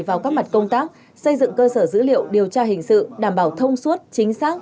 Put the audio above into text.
vào các mặt công tác xây dựng cơ sở dữ liệu điều tra hình sự đảm bảo thông suốt chính xác